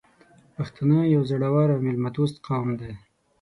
پښتانه یو زړور او میلمه دوست قوم دی .